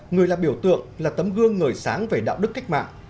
người là biểu tượng là tấm gương ngời sáng về đạo đức cách mạng